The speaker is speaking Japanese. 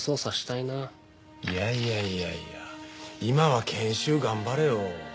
いやいやいやいや今は研修頑張れよ。